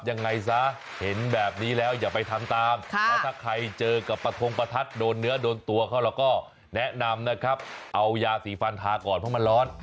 ยังไงซะเห็นแบบนี้แล้วอย่าไปทำตาม